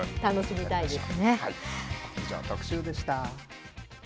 以上、特集でした。